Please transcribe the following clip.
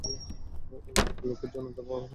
অন্য জাতের লোকের জন্য তোর বাবাকে অপমান করেছিস?